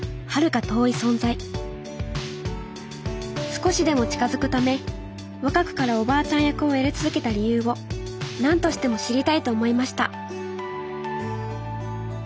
少しでも近づくため若くからおばあちゃん役をやり続けた理由を何としても知りたいと思いました